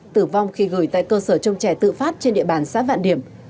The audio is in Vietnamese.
tử vong khi gửi tại cơ sở trông trẻ tự phát trên địa bàn xã vạn điểm